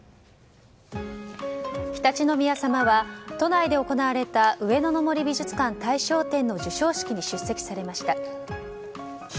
常陸宮さまは都内で行われた上野の森美術館大賞展の授賞式に出席されました。